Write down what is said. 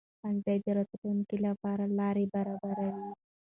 ښوونځی د راتلونکي لپاره لار برابروي